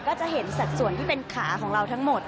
ก็จะเห็นสัดส่วนที่เป็นขาของเราทั้งหมด